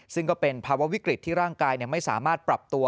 ซึ่งก็เป็นภาวะวิกฤตที่ร่างกายไม่สามารถปรับตัว